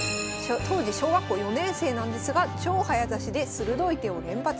当時小学校４年生なんですが超早指しで鋭い手を連発。